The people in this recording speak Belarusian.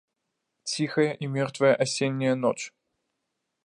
Ціхая і мёртвая асенняя ноч.